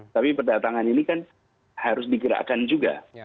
tapi perdatangan ini kan harus digerakkan juga